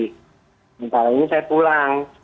sementara ini saya pulang